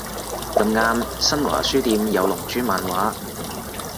咁啱新華書店有龍珠漫畫